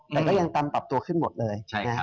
แต่ก็ยังปรับตัวขึ้นหมดเลย